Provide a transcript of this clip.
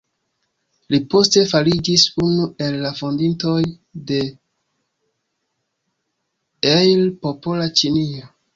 Li poste fariĝis unu el la fondintoj de "El Popola Ĉinio".